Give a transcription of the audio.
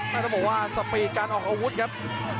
ต้องบอกว่าสปีดการออกอาวุธครับ